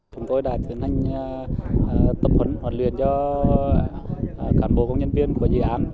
chúng tôi đã tiến hành tập huấn hoạt luyện cho cản bộ công nhân viên của dự án